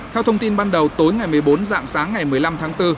theo thông tin ban đầu tối ngày một mươi bốn dạng sáng ngày một mươi năm tháng bốn